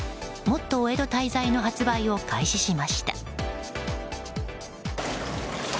もっとお江戸滞在の発売を開始しました。